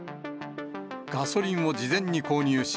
ガソリンを事前に購入し、